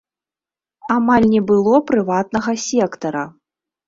Амаль не было прыватнага сектара.